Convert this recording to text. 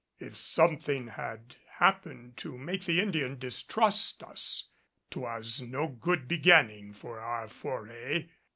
If something had happened to make the Indian distrust us, 'twas no good beginning for our foray.